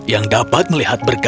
yang dapat melihat berikutnya